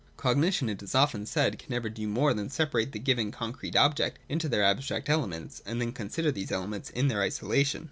Cognition, it is often said, can never do more than separate the given concrete objects into their abstract elements, and then con sider these elements in their isolation.